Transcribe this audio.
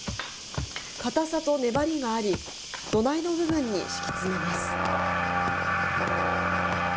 固さと、粘りがあり、土台の部分に敷き詰めます。